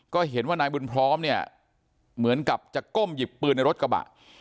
ก็เห็นว่านายบุญพร้อมเนี่ยเหมือนกับจะก้มหยิบปืนในรถกระบะ